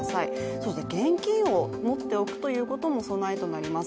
そして現金を持っておくということも備えとなります。